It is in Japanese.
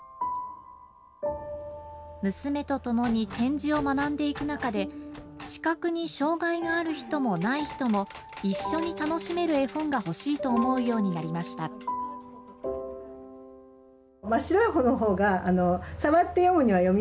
娘と共に点字を学んでいく中で、視覚に障害がある人もない人も、一緒に楽しめる絵本が欲しいと思うようになりました。